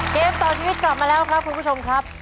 เกมต่อชีวิตกลับมาแล้วครับคุณผู้ชมครับ